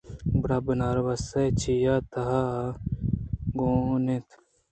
گُڑا بناربس چیا تہا گون اِنت